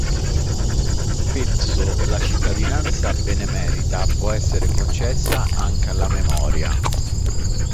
Spesso la cittadinanza benemerita può essere concessa anche alla memoria.